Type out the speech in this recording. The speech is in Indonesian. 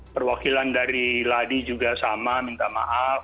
perwakilan dari ladi juga sama minta maaf